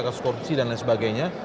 kasus korupsi dan lain sebagainya